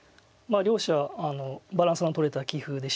両者バランスのとれた棋風でして。